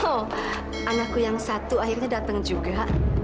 oh anakku yang satu akhirnya datang juga